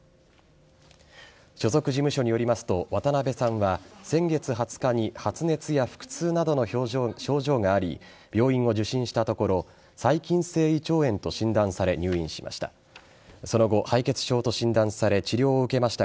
所属事務所によりますと渡辺さんは先月２０日に発熱や腹痛などの症状があり病院を受診したところ細菌性胃腸炎と診断され入院しました。